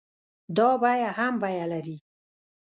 دا بيه هم بيه لري.